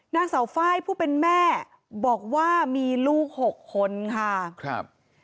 นางเสาไฟล์ผู้เป็นแม่บอกว่ามีลูกหกคนค่ะครับ